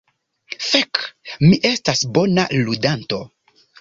Fek, mi estas bona ludanto.